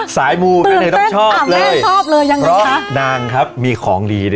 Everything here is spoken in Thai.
สายมูมต้องชอบเลยตื่นเต้นอ่ะแม่งชอบเลยยังไงคะนางครับมีของดีเลยฮะ